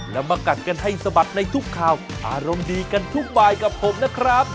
แล้วมากัดกันให้สะบัดในทุกข่าวอารมณ์ดีกันทุกบายกับผมนะครับ